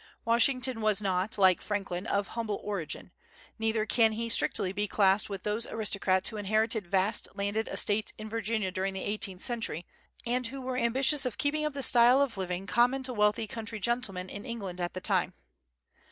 Washington was not, like Franklin, of humble origin; neither can he strictly be classed with those aristocrats who inherited vast landed estates in Virginia during the eighteenth century, and who were ambitious of keeping up the style of living common to wealthy country gentlemen in England at that time.